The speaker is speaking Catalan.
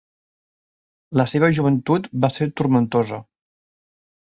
La seva joventut va ser turmentosa.